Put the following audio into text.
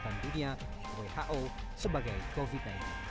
kesehatan dunia who sebagai covid sembilan belas